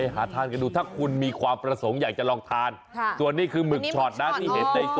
หรออันนั้นเป็นด้วงช็อตเหรอ